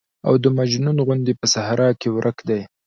او د مجنون غوندې په صحرا کې ورک دى.